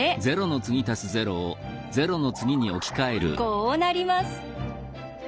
こうなります。